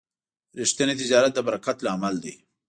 ریښتینی تجارت د برکت لامل دی.